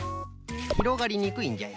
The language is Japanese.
ひろがりにくいんじゃよ。